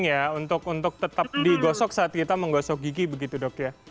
ya untuk tetap digosok saat kita menggosok gigi begitu dok ya